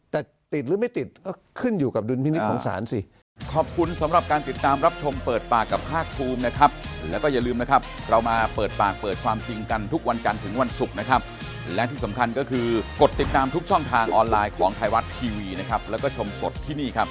แต่ติดหรือไม่ติดก็ขึ้นอยู่กับดุลพินิษฐ์ของศาลสิ